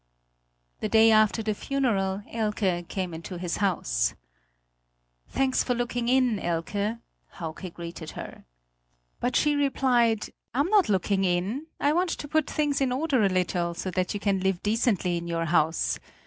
The day after the funeral Elke came into his house. "Thanks for looking in, Elke," Hauke greeted her. But she replied: "I'm not looking in; I want to put things in order a little, so that you can live decently in your house.